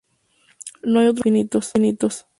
No hay otros cuerpo finitos.